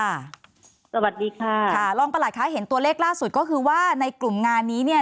สวัสดีค่ะค่ะรองประหลัดคะเห็นตัวเลขล่าสุดก็คือว่าในกลุ่มงานนี้เนี่ย